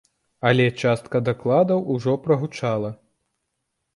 Але частка дакладаў ужо прагучала.